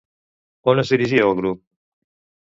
On es dirigia el grup?